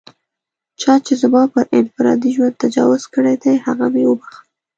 چا چې زما پر انفرادي ژوند تجاوز کړی دی، هغه مې و بښل.